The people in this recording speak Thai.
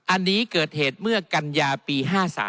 อันนี้เกิดเหตุเมื่อกัญญาปี๕๓